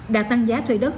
đã tăng giá thuê đất